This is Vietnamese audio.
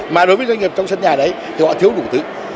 mà đối với doanh nghiệp trong sân nhà đấy thì họ thiếu đủ thứ